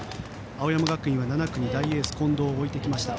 青山学院は７区に大エース近藤を置いてきました。